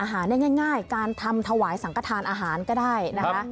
หาได้ง่ายการทำถวายสังกระทานอาหารก็ได้นะคะ